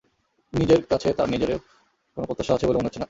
নিজের কাছে তাঁর নিজেরও কোনো প্রত্যাশা আছে বলে মনে হচ্ছে না।